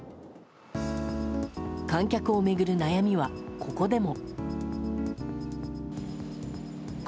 観客を巡る悩みは、ここでも。